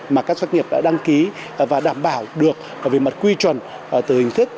mà các doanh nghiệp đã đăng ký và đảm bảo được về mặt quy truẩn từ hình thức